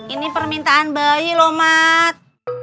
ini permintaan bayi loh mat